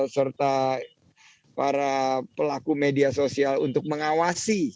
serta para pelaku media sosial untuk mengawasi